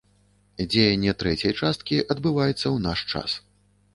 Дзеянне трэцяй часткі адбываецца ў наш час.